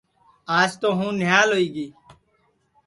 آج تو ہوں نھیال ہوئی گی